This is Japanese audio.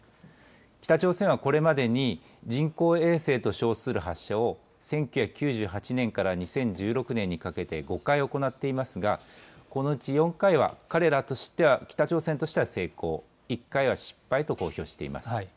北朝鮮はこれまでに、人工衛星と称する発射を１９９８年から２０１６年にかけて５回行っていますが、このうち４回は、彼らとしては、北朝鮮としては成功、１回は失敗と公表しています。